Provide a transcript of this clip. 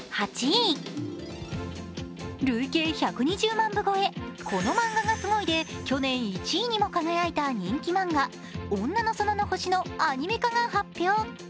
累計１２０万部超え、「このマンガがすごい！」で去年１位にも輝いた人気漫画「女の園の星」のアニメ化が発表。